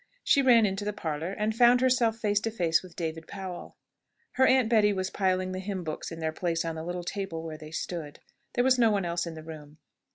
She ran into the parlour, and found herself face to face with David Powell. Her Aunt Betty was piling the hymn books in their place on the little table where they stood. There was no one else in the room.